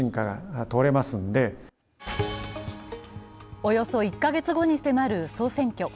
およそ１カ月後に迫る総選挙。